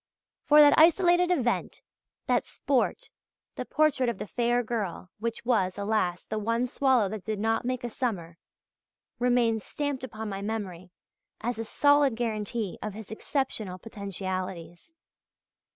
For that isolated event, that "sport," the portrait of the "Fair Girl," which was, alas, the one swallow that did not make a summer, remains stamped upon my memory as a solid guarantee of his exceptional potentialities.